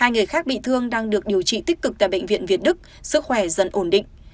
hai người khác bị thương đang được điều trị tích cực tại bệnh viện việt đức sức khỏe dần ổn định